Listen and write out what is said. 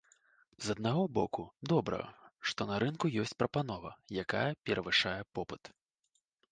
З аднаго боку, добра, што на рынку ёсць прапанова, якая перавышае попыт.